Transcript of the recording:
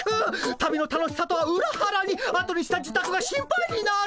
旅の楽しさとはうらはらにあとにした自宅が心配になる。